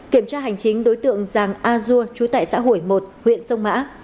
kiểm tra hành chính đối tượng giàng a dua chú tại xã hủy một huyện sông mã